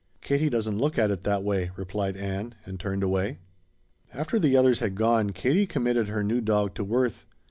"Katie doesn't look at it that way," replied Ann, and turned away. After the others had gone Katie committed her new dog to Worth.